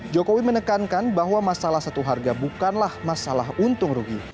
jokowi menekankan bahwa masalah satu harga bukanlah masalah untung rugi